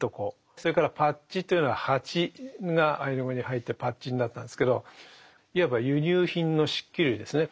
それからパッチというのは鉢がアイヌ語に入ってパッチになったんですけどいわば輸入品の漆器類ですね。